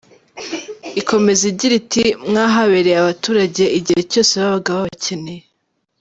Ikomeza igira iti “Mwahabereye abaturage igihe cyose babaga babakeneye.